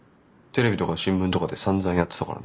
テレビとか新聞とかでさんざんやってたからね。